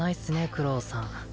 九郎さん